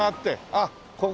あっここか。